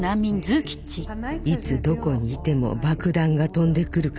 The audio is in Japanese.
いつどこにいても爆弾が飛んでくるか分からない。